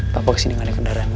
coba ya teh teh nang ya